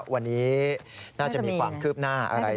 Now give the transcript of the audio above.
วันนี้น่าจะมีความคืบหน้าอะไร